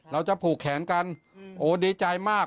เราจะผูกแขนกันโอ้ดีใจมาก